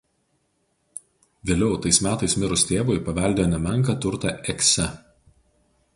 Vėliau tais metais mirus tėvui paveldėjo nemenką turtą Ekse.